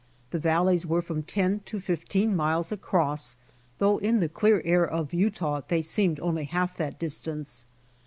The valleys were from ten to fifteen miles across, though in the clear air of Utah they seemed only half that distance.